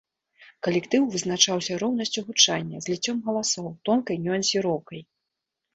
Калектыў вызначаўся роўнасцю гучання, зліццём галасоў, тонкай нюансіроўкай.